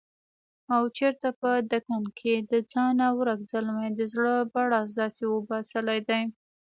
او چرته په دکن کښې دځانه ورک زلمي دزړه بړاس داسې وباسلے دے